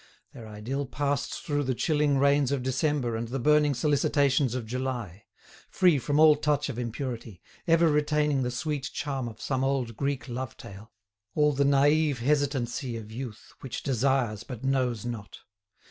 Their idyll passed through the chilling rains of December and the burning solicitations of July, free from all touch of impurity, ever retaining the sweet charm of some old Greek love tale, all the naive hesitancy of youth which desires but knows not.